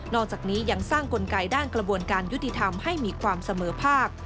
อกจากนี้ยังสร้างกลไกด้านกระบวนการยุติธรรมให้มีความเสมอภาค